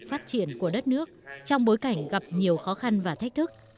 phát triển của đất nước trong bối cảnh gặp nhiều khó khăn và thách thức